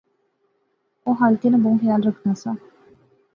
او خالقے ناں بہوں خیال رکھنا سا